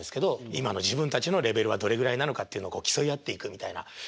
今の自分たちのレベルはどれぐらいなのかっていうのを競い合っていくみたいな。